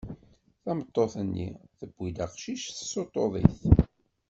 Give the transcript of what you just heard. Tameṭṭut-nni tewwi aqcic, tessuṭṭeḍ-it.